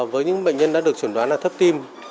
với những bệnh nhân đã được chuẩn đoán là thấp tim